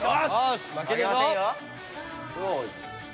負けませんよ。